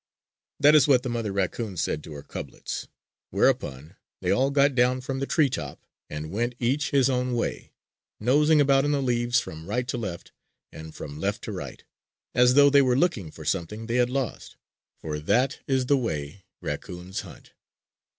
That is what the mother raccoon said to her cublets. Whereupon, they all got down from the tree top, and went each his own way, nosing about in the leaves from right to left and from left to right, as though they were looking for something they had lost. For that is the way raccoons hunt.